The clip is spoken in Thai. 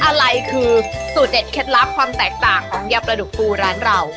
อะไรคือสูตรเด็ดเคล็ดลับความแตกต่างของยาปลาดุกปูร้านเรา